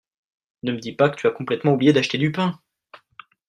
Ne me dis pas que tu as complètement oublié d'acheter du pain !